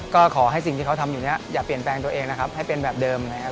ก็ขอให้สิ่งที่เขาทำอยู่เนี่ยอย่าเปลี่ยนแปลงตัวเองนะครับให้เป็นแบบเดิมนะครับ